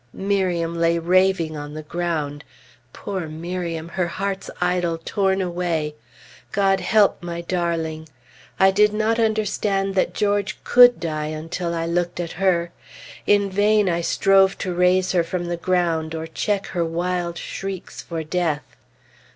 Miriam lay raving on the ground. Poor Miriam! her heart's idol torn away. God help my darling! I did not understand that George could die until I looked at her. In vain I strove to raise her from the ground, or check her wild shrieks for death.